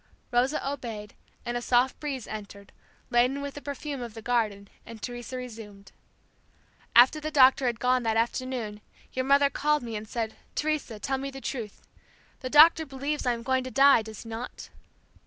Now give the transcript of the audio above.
Rosa obeyed, and a soft breeze entered, laden with the perfume of the garden, and Teresa resumed; "After the doctor had gone that afternoon your mother called me and said, Teresa, tell me the truth. The doctor believes I am going to die; does he not?'